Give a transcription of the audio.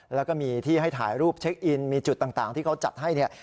แล้วก็มีที่ให้ถ่ายรูปเช็คอินมีจุดต่างที่เขาจัดให้เนี่ย